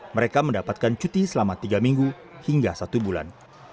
mereka mendapatkan cuti selama tiga minggu hingga satu bulan